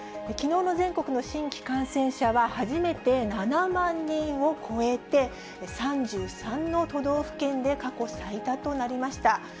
きのうの全国の新規感染者は初めて７万人を超えて、３３の都道府県で過去最多となりました。